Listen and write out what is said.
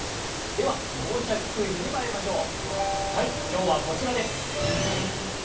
では「脳シャキ！クイズ」に参りましょう。